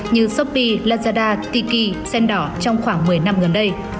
như shopee lazada tiki sendor trong khoảng một mươi năm gần đây